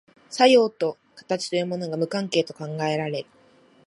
作用と形というものが無関係と考えられる。